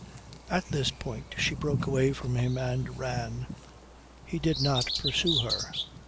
At this point she broke away from him and ran. He did not pursue her.